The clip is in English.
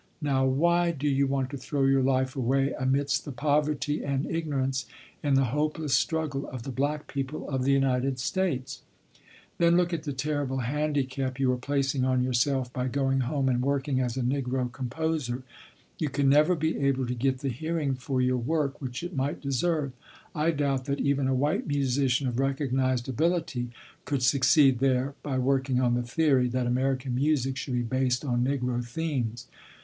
Now, why do you want to throw your life away amidst the poverty and ignorance, in the hopeless struggle, of the black people of the United States? Then look at the terrible handicap you are placing on yourself by going home and working as a Negro composer; you can never be able to get the hearing for your work which it might deserve. I doubt that even a white musician of recognized ability could succeed there by working on the theory that American music should be based on Negro themes.